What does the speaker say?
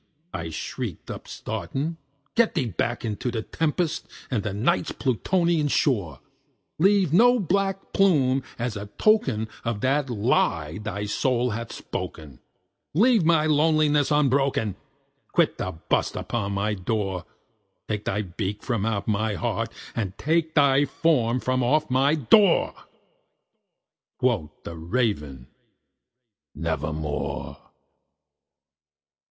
I shrieked, upstarting "Get thee back into the tempest and the Night's Plutonian shore! Leave no black plume as a token of that lie thy soul hath spoken! Leave my loneliness unbroken! quit the bust above my door! Take thy beak from out my heart, and take thy form from off my door!" Quoth the Raven, "Nevermore."